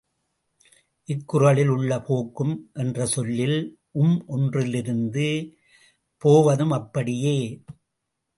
இக்குறளில் உள்ள போக்கும் என்ற சொல்லில் உம் ஒன்றிருந்து போவதும் அப்படியே!